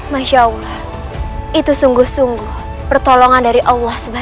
masya allah itu sungguh sungguh pertolongan dari allah swt